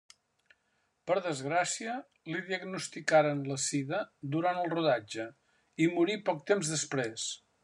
Per desgràcia, li diagnosticaren la sida durant el rodatge i morí poc temps després.